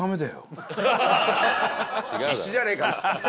必死じゃねえか！